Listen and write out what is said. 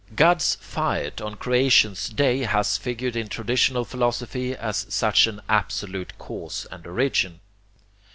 God's fiat on creation's day has figured in traditional philosophy as such an absolute cause and origin.